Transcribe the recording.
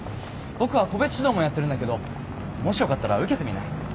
僕は個別指導もやってるんだけどもしよかったら受けてみない？